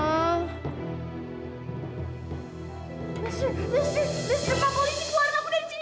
mister mister mister pak polisi keluarin aku dari sini